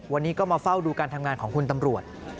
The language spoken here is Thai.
วันนี้ก็มาเฝ้าดูการทำงานของคุณตำรวจ